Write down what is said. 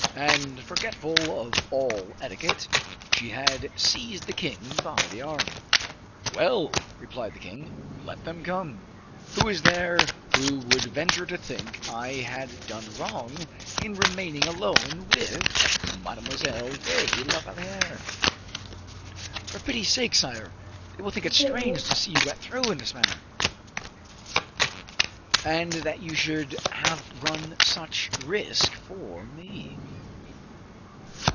And, forgetful of all etiquette, she had seized the king by the arm. "Well," replied the king, "let them come. Who is there who would venture to think I had done wrong in remaining alone with Mademoiselle de la Valliere?" "For pity's sake, sire! they will think it strange to see you wet through, in this manner, and that you should have run such risk for me."